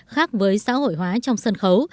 khác với xã hội hóa trong sân khấu